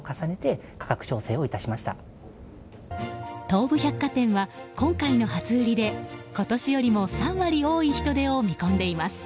東武百貨店は今回の初売りで今年よりも３割多い人出を見込んでいます。